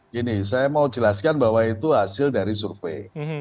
gini saya mau jelaskan bahwa itu hasil dari survei